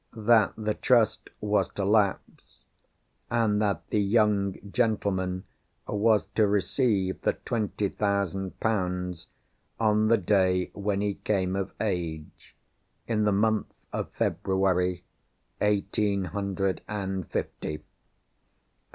That the Trust was to lapse, and that the young gentleman was to receive the twenty thousand pounds on the day when he came of age, in the month of February, eighteen hundred and fifty.